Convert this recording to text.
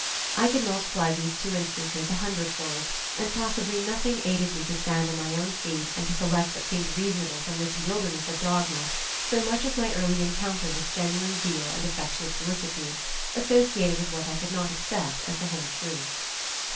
I could multiply these two instances a hundredfold, and possibly nothing aided me to stand on my own feet and to select what seemed reasonable from this wilderness of dogma, so much as my early encounter with genuine zeal and affectionate solicitude, associated with what I could not accept as the whole truth.